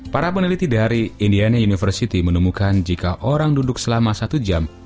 para peneliti dari indiana university menemukan jika orang duduk selama satu jam